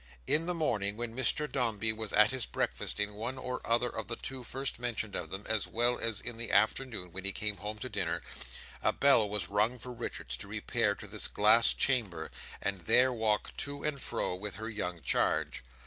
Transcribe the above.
In the morning, when Mr Dombey was at his breakfast in one or other of the two first mentioned of them, as well as in the afternoon when he came home to dinner, a bell was rung for Richards to repair to this glass chamber, and there walk to and fro with her young charge.